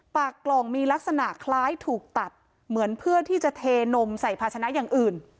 ปากกล่องมีลักษณะคล้ายถูกตัดเหมือนเพื่อที่จะเทนมใส่ภาชนะอย่างอื่น